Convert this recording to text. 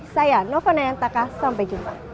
saya nova nayantaka sampai jumpa